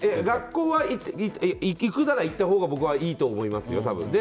学校は行くなら行ったほうが僕はいいと思いますよ、多分。